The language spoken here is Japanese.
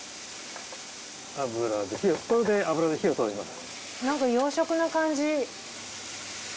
油でこれで油で火を通します。